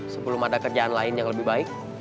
sebelum ada kerjaan lain yang lebih baik